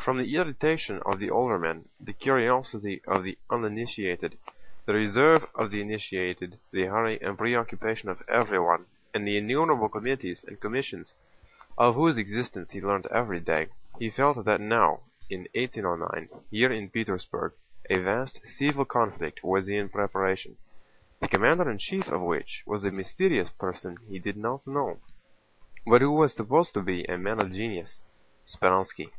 From the irritation of the older men, the curiosity of the uninitiated, the reserve of the initiated, the hurry and preoccupation of everyone, and the innumerable committees and commissions of whose existence he learned every day, he felt that now, in 1809, here in Petersburg a vast civil conflict was in preparation, the commander in chief of which was a mysterious person he did not know, but who was supposed to be a man of genius—Speránski.